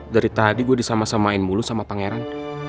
dari tadi gue disama samain mulu sama pangeran